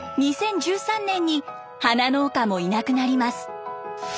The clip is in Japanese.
２０１３年に花農家もいなくなります。